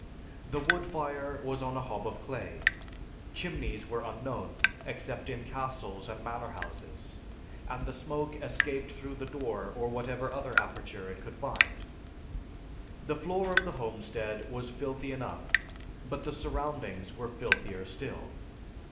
The wood fire was on a hob of clay. Chimneys were unknown, except in castles and manor houses, and the smoke escaped through the door or whatever other aperture it could reach. The floor of the homestead was filthy enough, but the surroundings were filthier still.